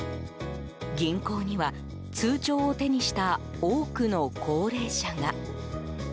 銀行には、通帳を手にした多くの高齢者が。